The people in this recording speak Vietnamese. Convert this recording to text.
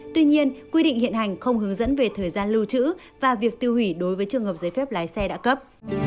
tuy nhiên quy định hiện hành không hướng dẫn về thời gian lưu trữ và việc tiêu hủy đối với trường hợp giấy phép lái xe đã cấp